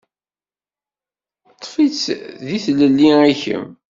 Ṭṭef-itt d tilelli i kemm.